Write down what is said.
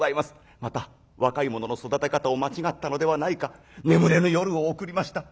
また若い者の育て方を間違ったのではないか。眠れぬ夜を送りました。